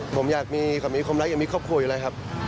ผมอยากมีความรักยังมีครอบครัวอยู่เลยครับ